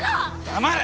黙れ！